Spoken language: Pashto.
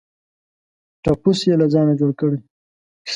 ټپوس یې له ځانه جوړ کړی.